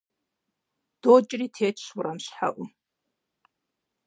ДокӀри тетщ уэрам щхьэӀум.